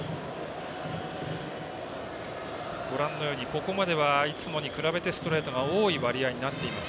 ここまではいつもに比べてストレートが多い割合になっています。